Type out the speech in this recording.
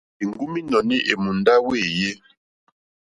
Èŋgúm ínɔ̀ní èmùndá wéèyé.